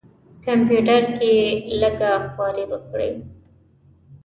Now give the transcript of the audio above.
کمپیوټر کې یې لږه خواري وکړه.